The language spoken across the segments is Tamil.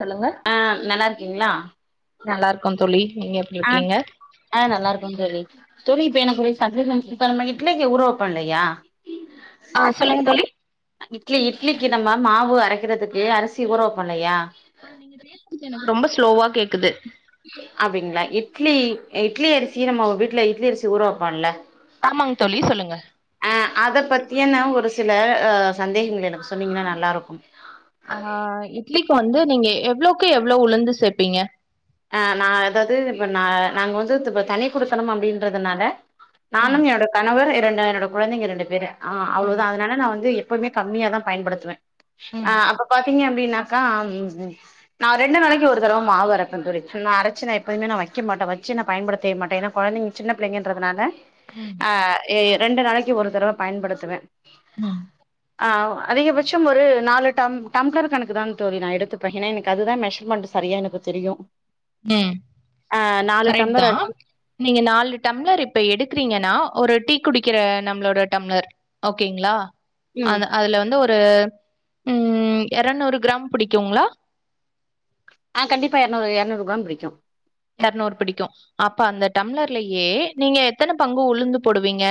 சொல்லுங்க. ஆ நல்லார்க்கிங்ளா? நல்லார்க்கம் தோழி நீங்க எப் ஆ ஆ நல்லாருக்கந் தோழி. தோழி இப்ப எனக்கு ஒரு சந்தேகம் இப்ப நம்ம இட்லிக்கு ஊற வெப்போ இல்லையா? ஆ சொல்லுங்க தோழி? அ இட்லி இட்லிக்கி நம்ம மாவு அரைக்கிறதுக்கு அரிசி ஊற வெப்போ இல்லையா? அ நீங்க பேசறது எனக்கு ரொம்ப ஸ்லோவா கேக்குது. அப்டிங்ளா இட்லி அ இட்லி அரிசிய நம்ம வீட்ல இட்லி அரிசி ஊற வெப்போ இல்ல ஆமாங் தோழி சொல்லுங்க‌. அ அத பத்தியன ஒரு சில அ சந்தேகங்கள எனக் சொன்னீங்கனா நல்லாருக்கும். ஆஹா இட்லிக்கு வந்து நீங்க எவ்ளோக்கு எவ்ளோ உளுந்து சேப்பீங்க? ஆ நா அதாவது இப்ப நா நாங்க வந்து த்துப்பு தனி குடித்தனம் அப்டின்றதுனால ம் நானும் என்னோட கணவர் இரண்டு என்னோட குழந்தைங்க ரெண்டு பேரு ஆ ம் அவ்ளோதா அதுனால நா வந்து எ ப்புமே கம்மியாதா பயன்படுத்துவே ஆ ம் அப்ப பாத்தீங்க அப்டின்னா க்கா ம் ம் ம் நா ரெண்டு நாளைக்கு ஒரு தடவ மாவு அர ப்பந் தோழி நா அரச்சு நா எப்பயுமே நா வெக்க மாட்டே வெச்சு நா பயன்படுத்தவே மாட்டே ஏனா கொழந்தைங்க சின்ன பிள்ளைங்கன்றதுனால ம். ஆ எ எ ரண்டு நாளைக்கி ஒரு தடவ பயன்படுத்துவே. ம். ஆவ் அதிகபட்சம் ஒரு நாலு டம் டம்ப்ளர் கணக்கு தாங் தோழி நா எடுத்து ப்ப ஏனா எனக்கு அதுதா மெஷர்மெண்ட் சரியா எனக்கு தெரியு. ம் ஆ நாலு டம்ளர் கரெட்தா. அ நீங்க நாலு டம்ளர் இப்ப எடுக்கறீங்கனா ஒரு டீ குடிக்கிற நம்ளோட டம்ளர் ஓகேங்ளா? ம் அந்த அதுல வந்து ஒரு ம் எரநூறு கிராம் புடிக்குங்ளா? ஆ கண்டிப்பா எரநூறு எரநூறு கிராம் புடிக்கு. எரநூறு பிடிக்கு. அப்ப அந்த டம்ளர்லயே நீங்க எத்தன பங்கு உளுந்து போடுவீங்க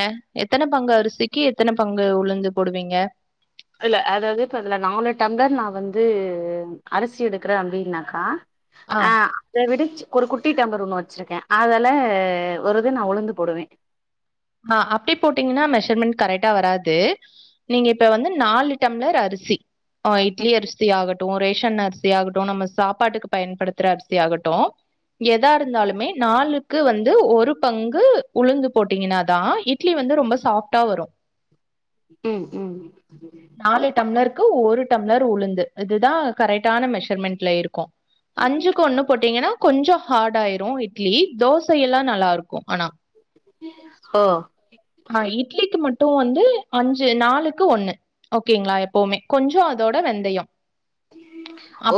எத்தன பங்கு அரிசி க்கி எத்தன பங்கு உளுந்து போடுவீங்க? இல்ல அதாவது இப்ப அதுல நாலு டம்ளர் நா வந்து அரிசி எடுக்கறே அப்டின்னாக்கா ஆ, அ இத விட ச் ஒரு குட்டி டம்ப்ளர் ஒன்னு வெச்சிருக்கே அதல ஒரு இது நா உளுந்து போடுவே. ஆ அப்டே போட்டீங்கன்னா மெஷர்மென்ட் கரெக்டா வராது. நீங்க இப்ப வந்து நாலு டம்ளர் அரிசி ஆ ம் இட்லி அரிசி ஆகட்டு ரேஷன் அரிஸ் சியாகட்டு நம்ம சாப்பாட்டுக்கு பயன்படுத்தற அரிசியாகட்டு எதா இருந்தாலுமே நாளுக்கு வந்து ஒரு பங்கு உளுந்து போட்டீங்கன்னா தா இட்லி வந்து ரொம்ப சாஃப்டா வரு. ம் ம். நாலு டம்ளருக்கு ஒரு டம்ளர் உளுந்து இதுதா கரெக்டான மெஷர்மெண்ட்ல இருக்கு அஞ்சுக்கு ஒண்ணு போட்டீங்கன்னா கொஞ்சோ ஹார்ட் ஆயிரு இட்லி தோசை எல்லா நல்லா இருக்கு ஆனா ஹோ ஆஹ் இட்லிக்கு மட்டு வந்து அஞ்சு நாலுக்கு ஒண்ணு ஓகேங்களா எப்பவுமே கொஞ்சோ அதோட வெந்தயோ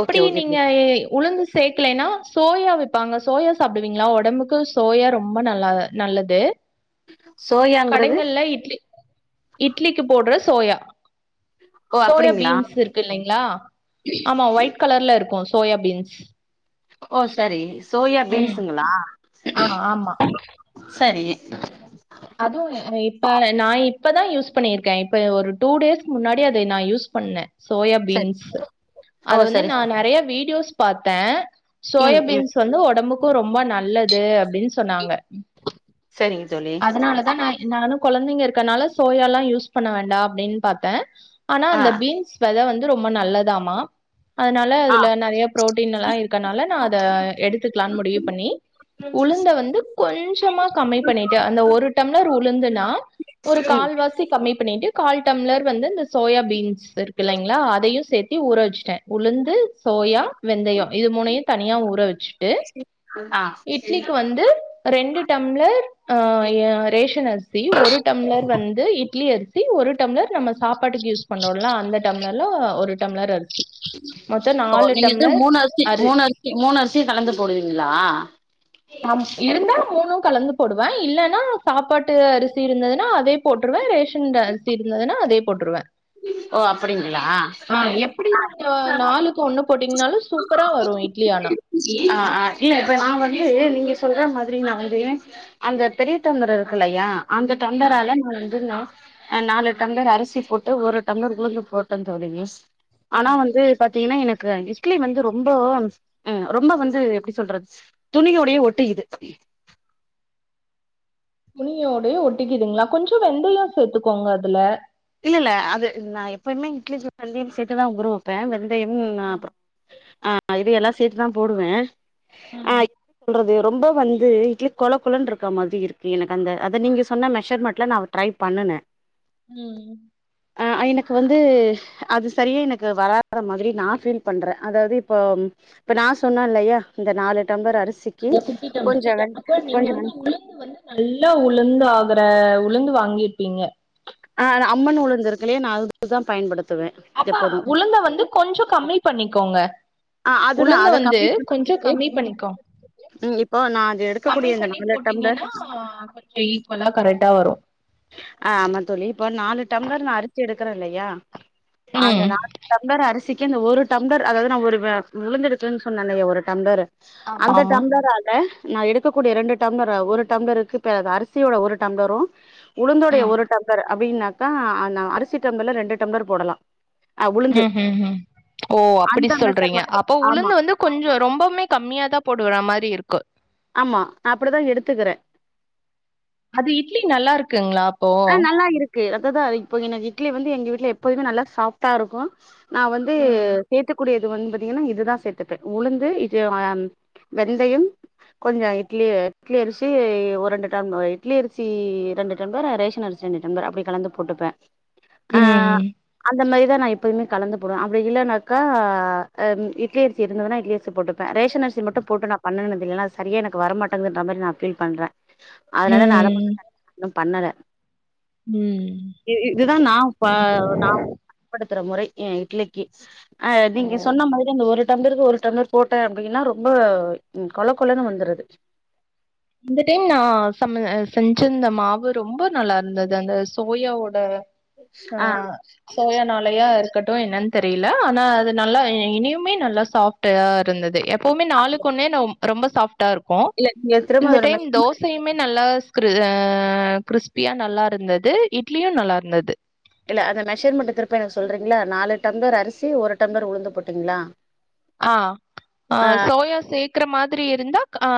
ஓகே ஓகே நீங்க தோழி உளுந்து சேக்கலேனா சோயா விப்பாங்க சோயா சாப்டுவீங்களா உடம்புக்கு சோயா ரொம்ப நல்லா நல்லது சோயாங்கிறது கடைகங்ல இட்லி இட்லிக்கு போட்ற சோயா ஓ சோயா அப்டிங்களா பீன்ஸ் இருக்கு இல்லிங்ளா ஆமா ஒயிட் கலர்ல இருக்கு சோயா பீன்ஸ் ஓ சரி சோயா ம். பீன்ஸுங்களா ஆ ஆமா. சரி அதுவொன்னு இப்ப நா இப்பதா யூஸ் பண்ணிருக்கே இப்ப ஒரு டூ டேஸ்க்கு முன்னாடி அதை நா யூஸ் பண்ணே சரி சோயாபீன்ஸ் ஓ அத வந்து சரி நா சரி நெறய வீடியோஸ் பாத்த ம் ம் சோயாபீன்ஸ் வந்து உடம்புக்கு ரொம்ப நல்லது அப்டின் சொன்னாங்க செரிங்க தோழி அதனாலதா நா நானு கொழந்தைங்க இருக்கனால சோயால்லா யூஸ் பண்ண வேண்டா அப்டின்னு பாத்த ஆனா ஆ அந்த பீன்ஸ் வெத வந்து ரொம்ப நல்லதாமா அதனால ஆ அதுல நெறய புரோட்டீன்னல்லா இருக்கனால நா அதை எடுத்துக்கலான்னு முடிவு பண்ணி உளுந்த வந்து கொஞ்சமா கம்மி பண்ணிட்டு அந்த ஒரு டம்ளர் உளுந்துனா ஒரு ம் கால் வாசி கம்மி பண்ணிட்டு கால் டம்ளர் வந்து இந்த சோயா பீன்ஸ் இருக்கு இல்லைங்களா அதையு சேர்த்தி ஊற வச்சுட்டே உளுந்து சோயா வெந்தயோ இது மூணையு தனியா ஊற வெச்சு டு ஆ இட்லிக்கு வந்து ரெண்டு டம்ளர் அ எ ரேஷன் அரிசி ஒரு டம்ளர் வந்து‌ இ ட்லி அரிசி ஒரு டம்ளர் நம்ம சாப்பாட்டுக்கு யூஸ் பண்ரோலா அந்த டம்ளர்ல ஒரு டம்ளர் அரிசி மொத்தோ ஓ நாலு நீங்க வந்து டம்ளர் மூணு அரிசி அரி மூணு அரிசி மூணு அரிசி கலந்து போடுவீங்களா இருந்தா மூணு கலந்து போடுவ இல்லனா சாப்பாட்டு அரிசி இருந்ததுன்னா அதே போட்டுருவே ரேஷன் அரிசி இருந்ததுன்னா அதயே போட்டுருவே ஓ அப்படிங்ளா ஆஹ் எப்டி நீங்க நாளுக்கு ஒண்ணு போட்டீங்கன்னாலு சூப்பரா வரும் இட்லி ஆனா ஆ ஆ இல்ல இப்ப நா வந்து நீங்க சொல்ற மாதிரி நா வந்து அந்த பெரிய டம்ளர் இருக்குல்லையா அந்த ஆ, டம்பரால நா வந்துங்க அ நா நாலு டம்பர் அரிசி போட் டு ஒரு டம்ளர் உளுந்து போட்ட தோழிஷ் ஆனா ம். வந்து பத் தீங்கனா எனக்கு இட்லி வந்து ரொம்போ அ ரொம்ப வந்து எப்டி சொல்றது துணியோடையே ஒட்டிகிது துனியோடையே ஒட்டிக்கிதுங்களா கொஞ்சோ வெந்தயோ சேத்துக்கோங்க அதுல இல்ல இல்ல அது நா எப்பயுமே இட்லி சுட வெந்தயோ சேர்த்துதா ஊற வெப் பே வெந்தயம் ம், அப்பறம் ஆ இது எல்லா சேத்துதா போடுவே ஆ [unintelligible] எப்டி சொல்றது ரொம்ப வந்து இட்லி கொல கொலன்ருக்கு மாதிரி இருக்கு எனக்கு அந்த அத நீங்க சொன்ன மெஷர்மெண்ட்ல நா ட்ரை பண்ணுணே ம் ஆ எனக்கு வந்து அது சரியா எனக்கு வராத மாதிரி நா ஃபீல் பண்றே அதாவது இப்போ இப்ப நா சொன்னேன்ல்லையா இந்த நாலு டம்ளர் அரிசிக்கி கொஞ்சோ வென் கொஞ்சோ வந்து நல்லா உளுந்து ஆகுற உளுந்து வாங்கிருப்பீங்க ஆ அம்மன் உளுந்து இருக்கு இல்லயா நா அதுதா பயன்படுத் அப்பா உளுந்த வந்து கொஞ்சோ கம்மி பண்ணிக்கோங்க ஆ அதுதா உளுந்த அத வந்து கம்மி கொஞ்சோ பண்ணி கம்மி பண்ணிக்கோங் ம் இப்போ நா அது எடுக்கக்கூடிய கம்மி இந்த பண்ணி நாலு டம்ளர் போட்டீங்கன்னா கொஞ்சோ ஈக்குவலா கரெட்டா வரு ஆ ஆமா தோழி இப்ப நாலு டம்ளர் நா அரிசி எடுக்குறே இல்லயா அந்த ம். நாலு டம்ளர் அரிசிக்கி அந்த ஒரு டம்ளர் அதாவுது நா ஒரு வ உளுந்து எடுக்கலன் சொன்னேலய ஒரு டம்ளரு அந்த ஆமாமா. டம்ளரால நா எடுக்கக்கூடிய ரெண்டு டம்ளர் அ ஒரு டம்ளருக்கு இப்ப அரிசியோட ஒரு டம்ளரு உளுந்தோடய ம். ஒரு டம்ளர் அப்டினாக்கா நா அரிசி டம்ளர்ல ரெண்டு டம்ளர் போடலா அ உளுந்து ம் ஹூம் ம் ஓ அப்டி அந்த சொல்ற போட்றீங்க மெஷர்மெண்ட்ல அப்ப ஆமா உளுந்து வந்து கொஞ்சோ ரொம்பவுமே கம்மியா தா போடுற மாறி இருக்கு ஆமா அப்டிதா எடுத்துக்கிறே அது இட்லி நல்லா இருக்குங்ளா அப்போ ஆ நல்லா இருக்கு அதுதா இப்போ எனக்கு இட்லி வந்து எங்க வீட்ல எப்போதுமே நல்லா சாஃப்டா இருக்கு நா வந்து ம். சேத்துக்குடிய இது வந்து பாத்தீங்ன்னா இதுதா சேத்துப்பே உளுந்து இது ஆ வெந்தயம் கொஞ்சோ இட்லி இட்லி அரிசி ஒரு ரெண்டு டம் இட்லி அரிசி ரெண்டு டம்ளர் ரேஷ ன் அரிசி அப்டி கலந்து போட்டுப்பே ஆ ம். அந்த மாறிதா நா எப்பயுமே கலந்து போடுவே அப்டி இல்லனாக்கா ஆ இட்லி அரி சி இருந்ததுனா இட்லி அரிசி போட்டுப்பே ரேஷன் அரிசி மட்டு போட்டு நா பண்ணுனது இல்ல ஏன்னா சரியா எனக்கு வர மாட்டேங்குதுன்ற மாறி நா பீல் பண்றே அதனால நா அத மட்டு ம். கண்டினியூ இன்னு பண்ணல ம் இ இதுதா நா ப நா பயன்படுத்துற முறை எ இட்லிக்கி அ ஓ நீங்க சொன்ன மாதிரி அந்த ஒரு டம்ளருக்கு ஒரு டம்ளர் போட்டே அப்டின்னா ரொம்ப கொழ கொழனு வந்துருது இந்த டைம் நா சம்ம செஞ்சிருந்த மாவு ரொம்ப நல்லா இருந்தது அந்த சோயாவோட ஆ சோயானா லயா இருக்கட்டு என்னன் தெரில ஆனா அது நல்லா இனுமே நல்லா சாஃப்டா இருந்தது எப் போமே நாளுக்கு ஒன்னே நொம் ரொம்ப சாஃப்டா இருக்கு இல்ல நீ எக்குற இந்த டைம் தோச் சயுமே நல்லா ஸ்க்ரு ஆ க்ரிஸ்பியா நல்லா இருந்தது இட்லியு நல்லா இருந்தது இல்ல அந்த மெஷர்மெண்ட்டே திருப்ப எனக்கு சொல்றீங்ளா நாலு டம்ளர் அரிசி ஒரு டம்ர் உளுந்து போட்டீங்ளா ஆ அ சோயா சேக் ற மாதிரி இருந்தா ஆ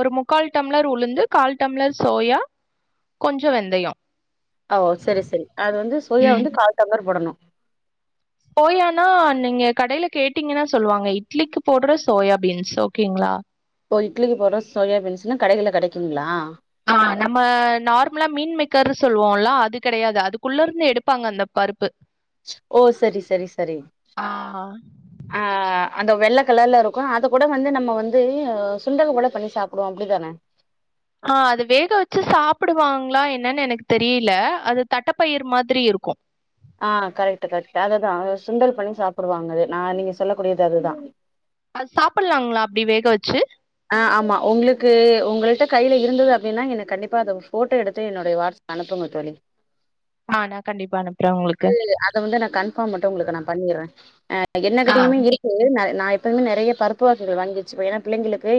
ஒரு முக்கால் டம்ளர் உளுந்து கால் டம்ளர் சோயா கொஞ்சோ வெந்தயோ ஓ செரி செரி அது வந்து சோயா ம் வந்து கால் டம்ளர் போடணு சோயானா நீங்க கடைல கேட்டீங்கன்னா சொல்லுவாங்க இட்லிக்கு போட்ற சோயாபீன்ஸ் ஓகேங்ளா இப்ப இட்லிக்கு போட்ற சோயாபீன்ஸ்னா கடைகள்ள கெடைக்குங்ளா ஆ நம்ம நார்மலா மீன் மெக்கரு சொல்லுவோல அது கெடயாது அதுக்குள்ள இருந்து எடுப்பாங்க அந்த பருப்பு ஓ சரி சரி சரி ஆ அ அந்த வெள்ள கலர்ல இருக்கு அத கூட வந்து நம்ம வந்து சுண்டல் கூட பண்ணி சாப்டுவோ அப்டிதானே ஹா அது வேக வச்சு சாப்புடுவாங்களா என்னன்னு எனக்கு தெரியல அது தட்டப்பயிர் மாதிரி இருக்கு ஆ கரெக்ட்டு கரெக்ட் அதுதா சுண்டல் பண்ணி சாப்பிடுவாங்க அது நா நீங்க சொல்லக் கூடியது அதுதா அது சாப்பலாங்களா அப்டி வேக வச்சு ஆ ஆமா உங்களுக்கு உங்கள்ட்ட கையில இருந்தது அப்டின்னா எனக்கு கண்டிப்பா அத ஃபோட்டோ எடுத்து என்னுடைய வாட்ஸ்அப் அனுப்புங்க தோழி ஆ நா கண்டிப்பா அனுப் து அத வந்து நா கன்ஃபார்ம் மட்டு உங்களுக்கு நா பண்ணிற அ ஆ என்னகிட்டயுமே இரு க்கு ந நா எப்பவுமே நறைய பருப்பு வாகைகள் வாங்கி வச்சுப்ப ஏன்னா பிள்ளைங்களுக்கு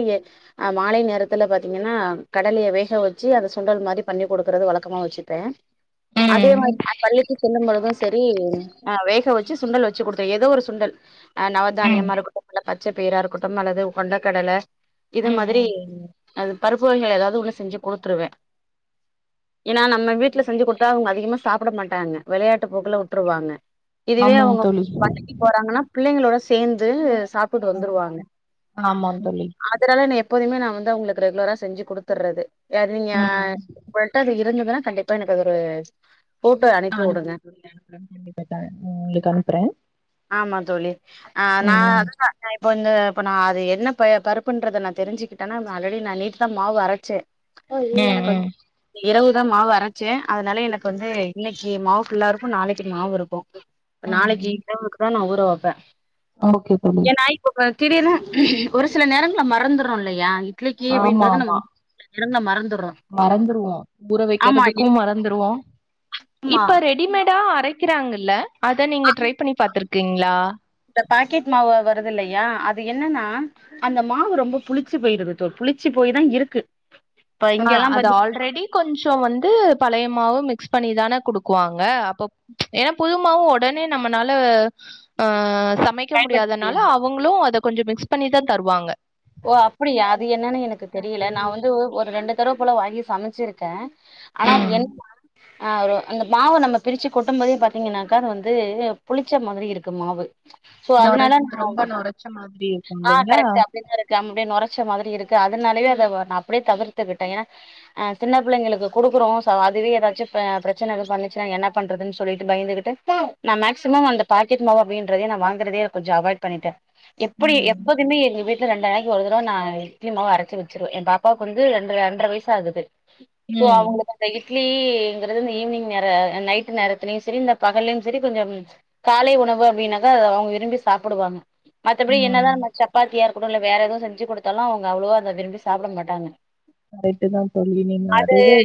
அ மாலை நேரத்துல பாத்தீங்கன்னா கடலைய வேக வச்சு அத சுண்டல் மாரி பண்ணி கொடுக்குறது வழக்கமா வச்சிப்ப அதே ம் மாரி பள்ளிக்கு செல்லும் பொழுது செரி ஆ வேக வச்சு சுண்டல் வச் சு குடுத்த ஏதோ ஒரு சுண்டல் அ ம் நவதானியமா இருக்கட்டு அல்ல பச்சப்பய்ரா இருக்கட்டு அல்லது கொண்டக்கடல இது ம் மாதிரி ம் அ பருப்புவகைகள் எதாவது ஒன்னு செஞ்சு குடுத்துருவ ஏன்னா நம்ம வீட்ல செஞ்சு கொடு த்தா அதிகமா சாப்பட மாட்டாங்க விளையாட்டு போக்குல விட்டுருவாங்க இதுவே ஆமாங் அவுங்க வ தோழி ப பள்ளிக் போறாங்கன்னா பிள்ளைங்களோட சேந்து சாப்புட்டு‌ வந்துருவாங்க ஆமாம் தோழி அதனால நா எப்போதுமே நா வந்து அவுங்களுக்கு ரெகுலரா செஞ்சு குடுத்துடுறது யார் நீங்க ம் உங்கள்ட்ட அது இருந்ததுன்னா கண்டிப்பா எனக்கு அது ஒரு போட்டோ அ அனுப்பி உடுங்க. அனுப்புற [inaudible] உங்களுக்கு அனுப்புற ஆமா தோழி ஆ நா அதுதா அ இப்ப வந்து இப்ப நா அது என்ன பெ பரு ப்புண்றத நா தெரிஞ்சுக்கிட்டன்னா ஆல்ரெடி நா நேத்து தா மாவு அரச்ச ம் எனக்கு ம் இரவுதா மாவு அரைச்ச அதனால எனக்கு வந்து இன்னைக்கு மாவு ஃபுல்லா இருக்கு நாளைக்கு மாவு இருக்கு இப்ப ம் நாளைக்கு இவுக்குதா‌ நா ஊற வப்ப ஓகே தோழி நா இப்ப [unintelligible] லா ஒரு சில நேரங்களல மறந்துரோ இல்லையா இட்லிக்கு ஆமா அப்டின்றத நம்ம ஆமா இந்த மறந்துடுறோ மறந்துருவோ ஊற வைக்கிறதுக்கு மறந்துருவோ ஆமா இப்ப ரெடிமேடா அரைக்கிறாங்கல்ல அத நீங்க ட்ரை பண்ணி பாத்துருக்கீங்களா இந்த பாக்கெட் மாவு வருது இல்லையா அது என்னன்னா அந்த மாவு ரொம்ப புளிச்சு போயிருது தோர் புளிச்சு போய் தா இருக்கு இப்ப ஆ இங்கெல்லா அது பாத்தீங்கன்னா ஆல்ரெடி கொஞ்சோ வந்து பழையமாவு மிக்ஸ் பண்ணிதான குடுக்குவாங்க அப்ப ஏன்னா புதுமாவு ஒடனே நம்மனால ஆ ச சமைக்க பயன்படுத்த முடியாதனால முடியாது அவுங்களு அத கொஞ்சோ மிக்ஸ் பண்ணிதா தருவாங்க ஓ அப்படியா அது என்னன்னு எனக்கு தெரியல நா வந்து ஒரு ரெண்டு தடவ போல வாங்கி சமைச்சிருக்க ஆனா அது ம் என்ன ஆ ஒரு அந்த மாவு நம்ம பிரிச்சு கொட்டும்போதே பாத்தீங்கன்னாக்கா அது வந்து புளிச்ச மாதிரி இருக்கு மாவு சோ நொற அதனால ரொம்ப நொறச்ச மாதிரி இருக்கு இல்லைங்களா அப்டிதா இருக்கு ஆமா அப்டியே நொரச்ச மாதிரி இருக்குது அதனாலயே அத நா அப்டியே தவிர்த்துக்கிட்ட ஏன்னா அ சின்ன பிள்ளைளுக்கு கொடுக்குறோ சோ அதுவே ஏதாச்சு அ பிரச்சன எது பண்ணுச்சுனா என்ன பண்றதுன்னு சொல்லிட்டு பயந்துகிட்டு நா மேக்சிமம் அந்த பாக்கெட் மாவு அப்டின்றதே நா வாங்குறதே கொஞ்சோ அவாய்ட் பண்ணிட்ட எப்புடி ம் எப்போதுமே எங்க வீட் ல ரெண்டு நாளைக்கு ஒரு தடோ நா இட்லி மாவு அரைச்சி வச்சிருவ என பாப்பாவுக்கு வந்து ரெ ரெண்டர வயசாகுது சோ ம் அவுங்களுக் இந்த இட்லிங்கிறது இந்த ஈவினிங் நேர அநைட் நேரத்துலயு சரி இந்த பகலயு சரி கொஞ்சம் காலை உணவு அப்டின்னாக்கா அத அவுங்க விரும்பி சாப்புடுவாங்க மத்தபடி ம் என்னாதா நம்ம சப்பாத்தியா இரு கடு வேற எதுவு செஞ்சி கொடுத்தாலு அவுங்க அவ்ளோவா அத விரும்பி சாப்பட மாட்டாங்க கரெட்டு தா தோழி நீன்ன அது அதையவே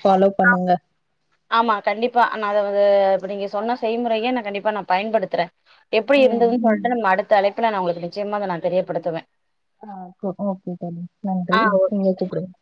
ஃபாலோ பண்ணுங்க ஆமா கண்டிப்பா நா அத வது இப்ப நீங்க சொன்ன செய்முறையே நா கண்டிப்பா நான் பயன்படுத்துறே எப்டி ம் இருந்ததுன்னு சொல்லிட்டு நம்ம அடுத்த அழைப்புல நா உங்களுக்கு நிச்சயமா நா தெரியப்படுத்துவேன் ஆ ஓகே தோழி நன்றி நீங்க கூப்பிடுங்க